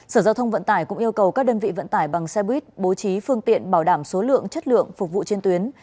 sở giao thông vận tải cũng yêu cầu các đơn vị vận tải bằng xe buýt bố trí phương tiện bảo đảm số lượng chất lượng phục vụ trên tuyến